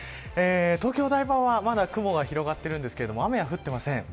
東京、お台場はまだ雲が広がっているんですが雨は降っていません。